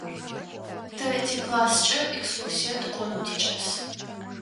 Тэ тикласскӏэ экскурсие тыкӏонэу тикӏас.